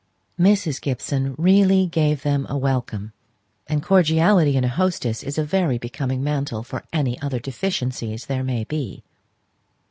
Mrs. Gibson really gave them a welcome and cordiality in a hostess is a very becoming mantle for any other deficiencies there may be.